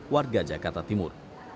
warga jakarta timur